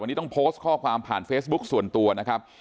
วันนี้ต้องโพสต์ข้อความผ่านเฟซบุ๊คส่วนตัวนะครับ